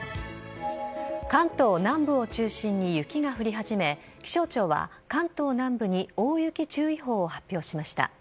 関東南部を中心に雪が降り始め気象庁は関東南部に大雪注意報を発表しました。